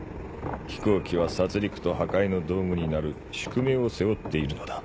飛行機は殺りくと破壊の道具になる宿命を背負っているのだ。